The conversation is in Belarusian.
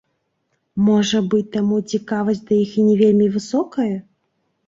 Можа быць, таму цікавасць да іх не вельмі высокая.